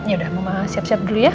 yaudah mama siap siap dulu ya